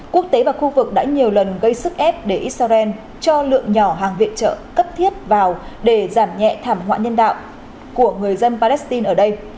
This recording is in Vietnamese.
quốc tế và khu vực đã nhiều lần gây sức ép để israel cho lượng nhỏ hàng viện trợ cấp thiết vào để giảm nhẹ thảm họa nhân đạo của người dân palestine ở đây